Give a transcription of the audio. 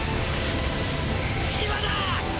今だ！